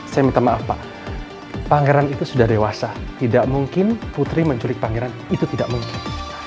saya minta maaf pak pangeran itu sudah dewasa tidak mungkin putri menculik pangeran itu tidak mungkin